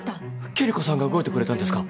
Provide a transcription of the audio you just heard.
キリコさんが動いてくれたんですか！？